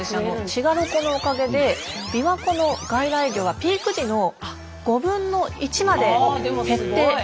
滋賀ロコのおかげでびわ湖の外来魚がピーク時の５分の１まで減っているんですね。